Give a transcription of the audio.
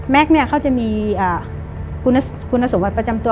แม็กเนี่ยเขาจะมีคุณสมบัติประจำตัว